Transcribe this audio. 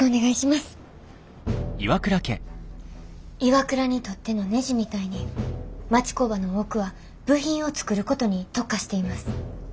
ＩＷＡＫＵＲＡにとってのねじみたいに町工場の多くは部品を作ることに特化しています。